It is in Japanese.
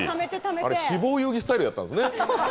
あれ「死亡遊戯」スタイルやったんですね。